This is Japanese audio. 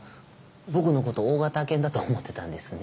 僕のこと大型犬だと思ってたんですね。